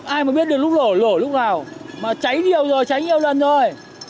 ai mà biết được lúc lổ lổ lúc nào mà cháy nhiều rồi cháy nhiều lần rồi